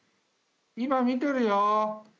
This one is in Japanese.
今、見てるよ。